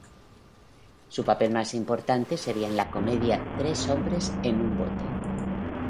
Su papel más importante sería en la comedia Tres hombres en un bote.